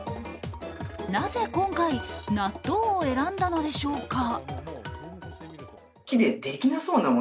なぜ今回、納豆を選んだのでしょうか？